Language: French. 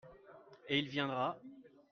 Et il viendra ?